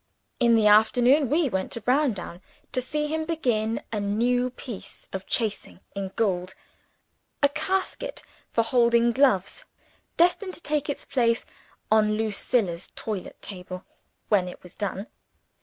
In the afternoon we went to Browndown, to see him begin a new piece of chasing in gold a casket for holding gloves destined to take its place on Lucilla's toilet table when it was done.